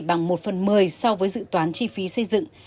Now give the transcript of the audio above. bằng một phần mười so với dự toán chi phí xây dựng